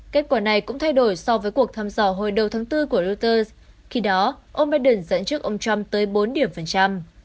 kết quả này cũng thay đổi so với cuộc thăm dò hồi đầu tháng bốn của reuters khi đó ông biden dẫn trước ông trump tới bốn điểm phần trăm